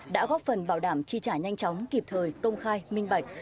đã góp phần bảo đảm chi trả nhanh chóng kịp thời công khai minh bạch